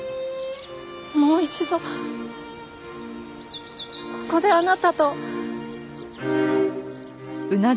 もう一度ここであなたと。